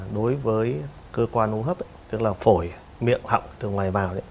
đối với cơ quan hô hấp tức là phổi miệng hậm từ ngoài vào